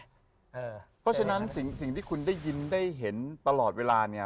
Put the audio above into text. เพราะฉะนั้นสิ่งที่คุณได้ยินได้เห็นตลอดเวลาเนี่ย